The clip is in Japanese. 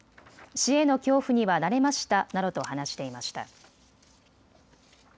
死への恐怖には慣れましたなどと話していました。